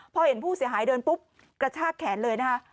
พอเห็นผู้เสียหายเดินปุ๊บกระชากแขนเลยนะคะ